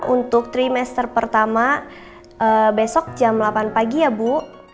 untuk trimester pertama besok jam delapan pagi ya bu